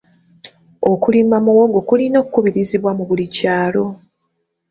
Okulima muwogo kulina okubirizibwa mu buli kyalo.